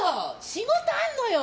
仕事あんのよ！